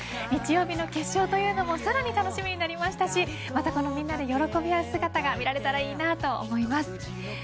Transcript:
日曜日の決勝というのもさらに楽しみになりましたしまたみんなで喜び合う姿が見られたらいいと思います。